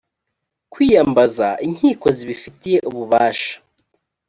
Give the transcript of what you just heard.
kwiyambaza inkiko zibifitiye ububasha